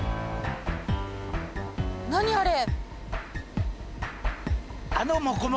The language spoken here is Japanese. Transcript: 何あれ！？